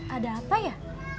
ada apa ya